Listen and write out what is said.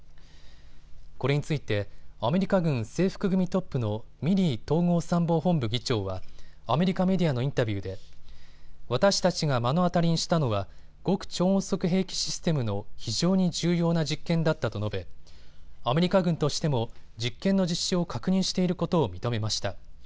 これについてアメリカ軍制服組トップのミリー統合参謀本部議長はアメリカメディアのインタビューで私たちが目の当たりにしたのは極超音速兵器システムの非常に重要な実験だったと述べアメリカ軍としても実験の実施を確認していることを認めました。